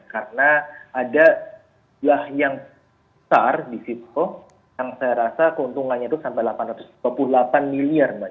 karena ada yang besar di situ yang saya rasa keuntungannya itu sampai delapan ratus dua puluh delapan miliar mbak